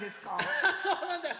あはっそうなんだよ。